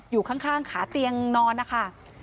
อยู่ข้างขาเตียงนอนนะคะ